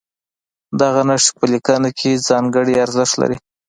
دغه نښې په لیکنه کې ځانګړی ارزښت لري.